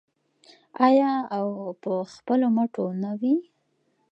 آیا او په خپلو مټو نه وي؟